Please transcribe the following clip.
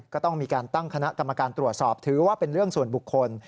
ก็ต้องมีการตั้งคณะกรรมการตรวจสอบถือว่าเป็นเรื่องส่วนบุคคล